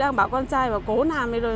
đang bảo con trai bảo cố làm đây rồi